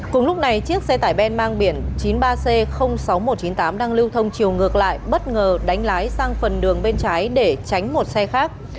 cùng lúc này chiếc xe tải ben mang biển chín mươi ba c sáu nghìn một trăm chín mươi tám đang lưu thông chiều ngược lại bất ngờ đánh lái sang phần đường bên trái để tránh một xe khác